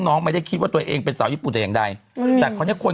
น้องไม่ได้คิดว่าตัวเองเป็นสาวญี่ปุ่นอย่างใดว่าก็คน